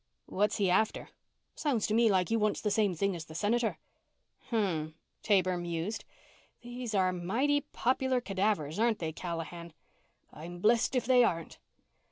"What's he after?" "Sounds to me like he wants the same thing as the Senator." "Hmmm," Taber mused. "Those are mighty popular cadavers, aren't they, Callahan?" "I'm blessed if they aren't."